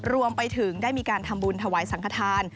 รวมไปถึงได้มีการทำบุญถวายสังขทาน